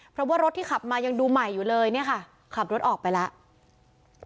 เพราะว่ารถที่ขับมายังดูใหม่อยู่เลยเนี่ยค่ะขับรถออกไปแล้ว